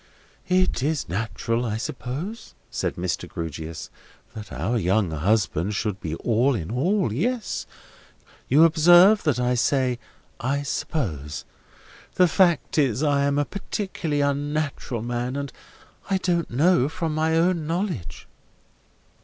"It is natural, I suppose," said Mr. Grewgious, "that your young husband should be all in all. Yes. You observe that I say, I suppose. The fact is, I am a particularly Unnatural man, and I don't know from my own knowledge."